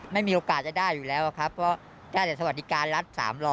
ไม่มีโอกาสจะได้อยู่แล้วครับเพราะได้แต่สวัสดิการรัฐ๓๐๐